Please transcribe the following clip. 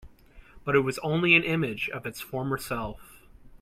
But it was only an image of its former self.